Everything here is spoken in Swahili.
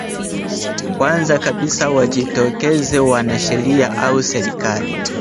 kwanza kabisa wajitokeze wanasheria au serikali